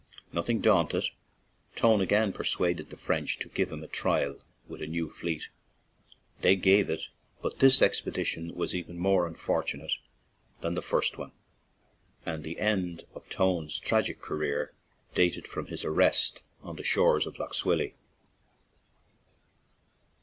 Nothing daunted, Tone again persuaded the French to give him a trial with a new fleet. They gave it, but this expedition was even more unfortunate than the first one, and the end of Tone's tragic career dated from his arrest on the shores of Lough Swilly.